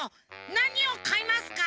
なにをかいますか？